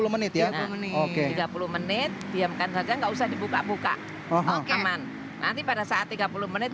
tiga puluh menit ya oke tiga puluh menit diam kan tiga puluh maka usah dibuka buka hemat nanti pada saat tiga puluh menit